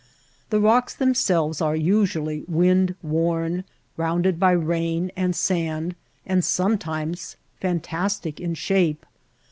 The rocks themselves are usually wind worn, rounded by rain and sand, and sometimes fantastic in shape.